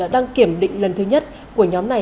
đăng kiểm định lần thứ nhất của nhóm này